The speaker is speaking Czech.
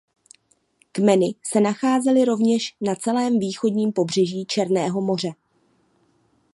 Kmeny se nacházely rovněž na celém východním pobřeží Černého moře.